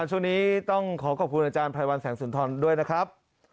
ช่วงนี้ต้องขอขอบคุณอาจารย์ไพรวัลแสงสุนทรด้วยนะครับ